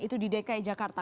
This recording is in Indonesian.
itu di dki jakarta